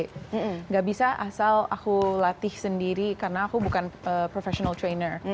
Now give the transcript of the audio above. tidak bisa asal aku latih sendiri karena aku bukan professional trainer